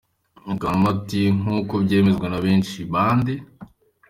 Kanuma ati “nk’uko byemezwa na benshi”, bande?